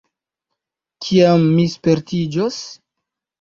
Kiam mi spertiĝos?